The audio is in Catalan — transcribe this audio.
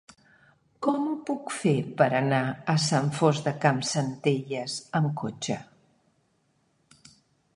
Com ho puc fer per anar a Sant Fost de Campsentelles amb cotxe?